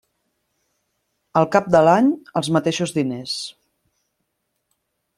Al cap de l'any, els mateixos diners.